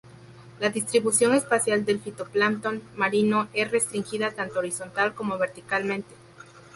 La distribución espacial del fitoplancton marino es restringida tanto horizontal como verticalmente.